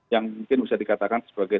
yang mungkin bisa dikatakan sebagai